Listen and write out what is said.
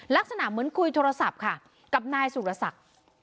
ลักษณะเหมือนคุยโทรศัพท์ค่ะกับนายสุรศักดิ์